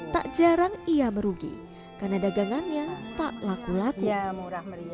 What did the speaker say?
tak jarang ia merugi karena dagangannya tak laku laku